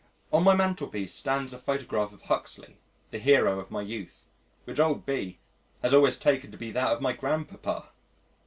On my mantelpiece stands a photograph of Huxley the hero of my youth which old B has always taken to be that of my grandpapa!